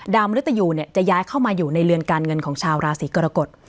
มริตยูจะย้ายเข้ามาอยู่ในเรือนการเงินของชาวราศีกรกฎ